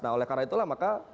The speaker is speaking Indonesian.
nah oleh karena itulah maka